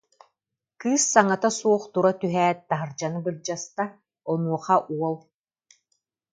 Кыыс саҥата суох тура түһээт, таһырдьаны былдьаста, онуоха уол: